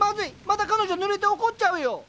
また彼女ぬれて怒っちゃうよ。